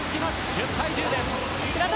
１０対１０です。